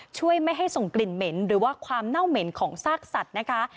ช่วยไม่ให้ส่งกลิ่นเหม็นหรือว่าความเน่าเหม็นของซากสัตว์นะคะ